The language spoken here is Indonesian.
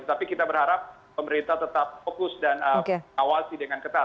jadi saya berharap pemerintah tetap fokus dan awasi dengan ketat